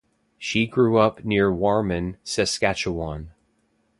She grew up near Warman, Saskatchewan.